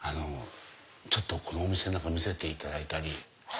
このお店の中見せていただいたり。